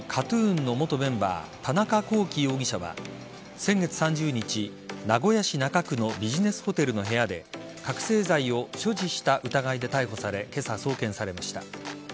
アイドルグループＫＡＴ‐ＴＵＮの元メンバー田中聖容疑者は先月３０日、名古屋市中区のビジネスホテルの部屋で覚醒剤を所持した疑いで逮捕され今朝、送検されました。